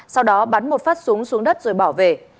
sau đó bắn một phát súng xuống đất rồi bảo vệ